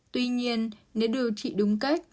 tuy nhiên nếu điều trị đúng cách